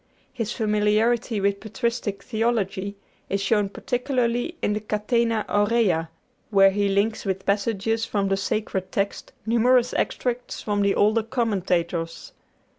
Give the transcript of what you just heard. His familiarity with patristic theology is shown particularly in the 'Catena Aurea,' where he links with passages from the Sacred Text numerous extracts from the older commentators.